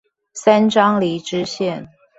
三張犁支線